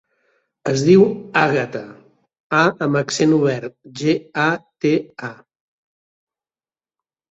Es diu Àgata: a amb accent obert, ge, a, te, a.